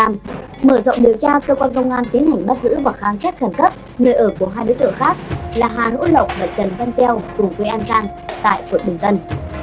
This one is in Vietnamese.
mở rộng điều tra cơ quan công an tiến hành bắt giữ và khám xét khẩn cấp nơi ở của hai đối tượng khác là hà hữu lộc và trần văn gieo cùng quê an giang tại quận bình tân